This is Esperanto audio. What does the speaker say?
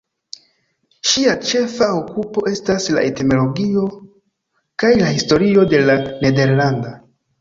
Ŝia ĉefa okupo estas la etimologio kaj la historio de la nederlanda.